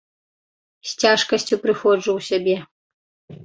З цяжкасцю прыходжу ў сябе.